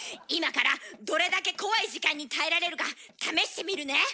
今からどれだけ怖い時間に耐えられるか試してみるね。